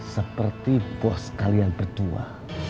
seperti bos kalian berdua